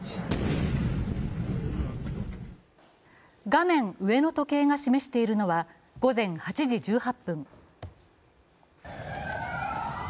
画面上の時計が示しているのは午前８時１８分。